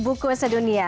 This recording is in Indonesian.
bukit buku sedunia